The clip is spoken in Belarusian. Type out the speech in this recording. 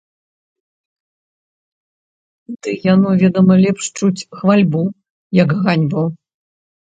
Ды яно, ведама, лепш чуць хвальбу, як ганьбу.